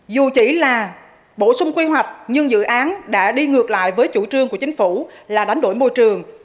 dù chỉ là bổ sung quy hoạch nhưng dự án đã đi ngược lại với chủ trương của chính phủ là đánh đổi môi trường